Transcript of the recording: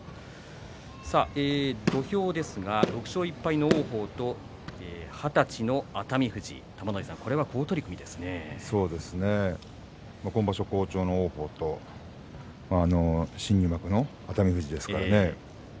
土俵上には６勝１敗の王鵬と二十歳の熱海富士今場所好調の王鵬と新入幕の熱海富士ですからね。